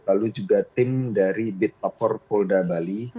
lalu juga tim dari bitpapor polda bali